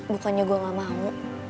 bukannya gue gak mau